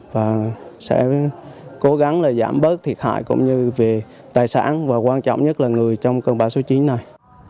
và sẽ cố gắng là giảm bớt thiệt hại cũng như về tài sản và quan trọng nhất là người trong cơn bão số chín này